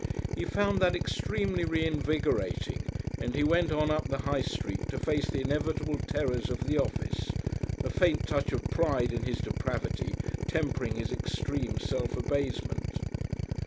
He found that extremely reinvigorating, and he went on up the High Street to face the inevitable terrors of the office, a faint touch of pride in his depravity tempering his extreme self abasement.